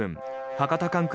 博多管区